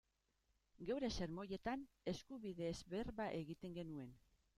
Geure sermoietan eskubideez berba egiten genuen.